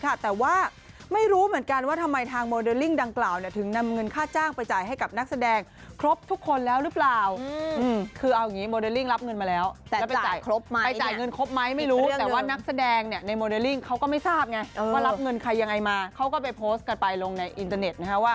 เขาก็ไปโพสต์กันไปลงในอินเทอร์เน็ตนะครับว่า